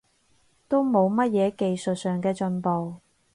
都冇乜嘢技術上嘅進步